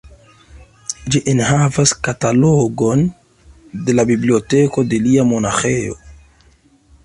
Ĝi enhavas katalogon de la biblioteko de lia monaĥejo.